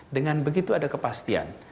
dengan begitu ada kepastian